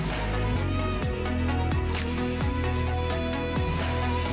tanah airku indonesia